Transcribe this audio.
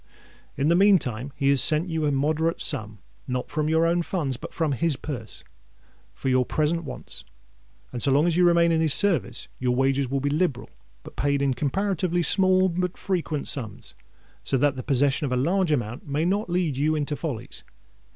In the meantime he has sent you a moderate sum—not from your own funds, but from his purse—for your present wants; and so long as you remain in his service, your wages will be liberal, but paid in comparatively small and frequent sums, so that the possession of a large amount may not lead you into follies.